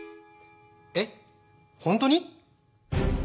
えっ本当に？